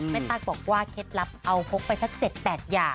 ตั๊กบอกว่าเคล็ดลับเอาพกไปสัก๗๘อย่าง